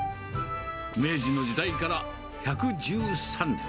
明治の時代から１１３年。